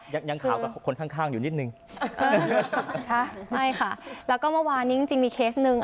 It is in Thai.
ยังข่ากับคนข้างอยู่นิดหนึ่งแล้วก็เมื่อวานนี้จริงมีเคสนึง